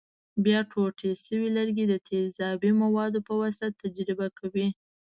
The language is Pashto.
بیا ټوټې شوي لرګي د تیزابي موادو په واسطه تجزیه کوي.